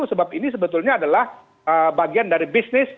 sebab ini sebetulnya adalah bagian dari bisnis